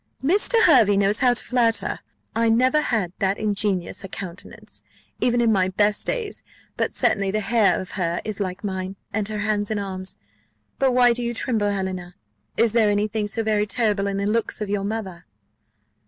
"Mr. Hervey knows how to flatter. I never had that ingenuous countenance, even in my best days: but certainly the hair of her head is like mine and her hands and arms. But why do you tremble, Helena? Is there any thing so very terrible in the looks of your mother?"